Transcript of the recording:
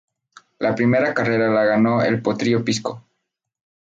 La primera carrera la ganó el potrillo Pisco.